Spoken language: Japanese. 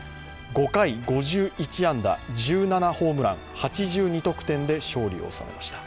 ５回５１安打、１７ホームラン８２得点で勝利を収めました。